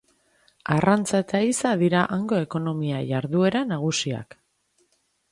Arrantza eta ehiza dira hango ekonomia jarduera nagusiak.